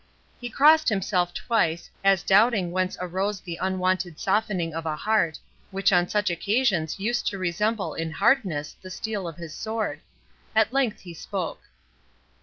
He crossed himself twice, as doubting whence arose the unwonted softening of a heart, which on such occasions used to resemble in hardness the steel of his sword. At length he spoke.